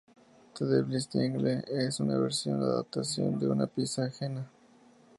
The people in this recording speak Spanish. The Devils Triangle es una versión o adaptación de una pieza ajena.